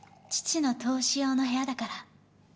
父の投資用の部屋だから。